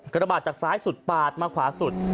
กระบาดจากซ้ายสุดปาดมาขวาสุด